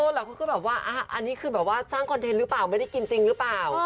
หลายคนก็แบบว่าอันนี้คือแบบว่าสร้างคอนเทนต์หรือเปล่าไม่ได้กินจริงหรือเปล่า